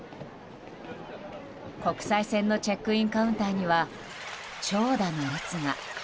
国際線のチェックインカウンターには長蛇の列が。